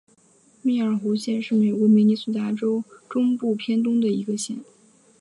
密尔湖县是美国明尼苏达州中部偏东的一个县。